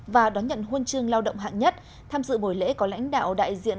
và đón nhận huân chương lao động hạng nhất tham dự buổi lễ có lãnh đạo đại diện